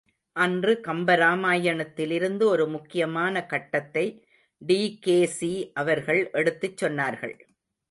அன்று கம்பராமாயணத்திலிருந்து ஒரு முக்கியமான கட்டத்தை டி.கே.சி.அவர்கள் எடுத்துச் சொன்னார்கள்.